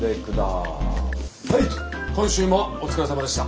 今週もお疲れさまでした。